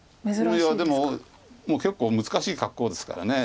いやでももう結構難しい格好ですから。